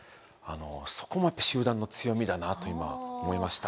そこも集団の強みだなと今思いました。